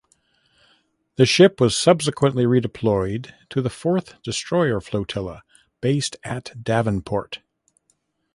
The ship was subsequently redeployed to the Fourth Destroyer Flotilla based at Devonport.